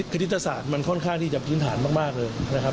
คณิตศาสตร์มันค่อนข้างที่จะพื้นฐานมากเลยนะครับ